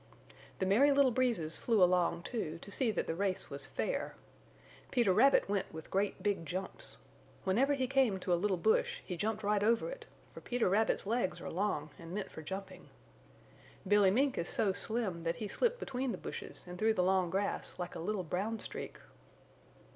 The Merry Little Breezes flew along, too, to see that the race was fair. Peter Rabbit went with great big jumps. Whenever he came to a little bush he jumped right over it, for Peter Rabbit's legs are long and meant for jumping. Billy Mink is so slim that he slipped between the bushes and through the long grass like a little brown streak.